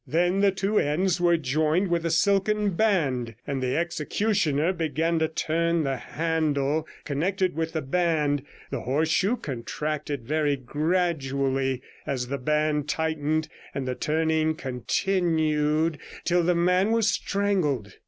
Then the two ends were joined with a silken band, and the executioner began to turn a handle connected with the band. The horseshoe contracted very gradually as the band tightened, and the turning continued till the man was strangled.